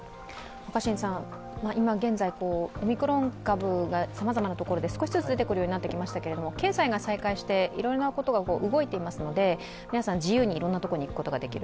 今現在、オミクロン株がさまざまなところで少しずつ出てくるようになりましたが、経済が再開して、いろいろなことが動いてますので皆さん自由にいろんなところに行けることができる。